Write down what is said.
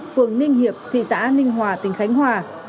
phường ninh hiệp thị xã ninh hòa tỉnh khánh hòa